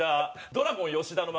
「ドラゴン吉田の巻」。